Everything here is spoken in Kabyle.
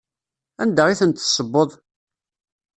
Anda i tent-tessewweḍ?